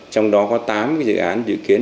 trong đó có tám cái dự án dự kiến